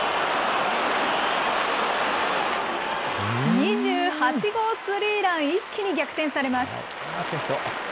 ２８号スリーラン、一気に逆転されます。